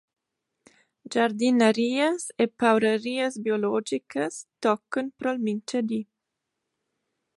Giardinarias e paurarias biologicas toccan pro’l minchadi.